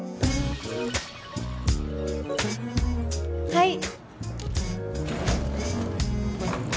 はい！